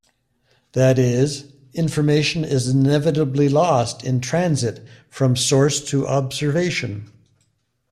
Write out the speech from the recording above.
That is, information is inevitably lost in transit from source to observation.